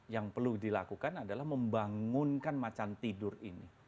yang perlu dilakukan adalah membangunkan macan tidur ini